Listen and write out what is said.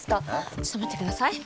ちょっと待って下さい。